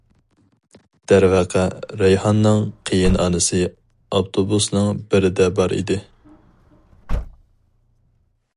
دەرۋەقە، رەيھاننىڭ قېيىنئانىسى ئاپتوبۇسنىڭ بىرىدە بار ئىدى.